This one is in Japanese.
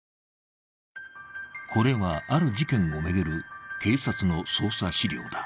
これはある事件を巡る警察の捜査資料だ。